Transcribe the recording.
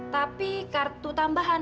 tapi kartu tambahan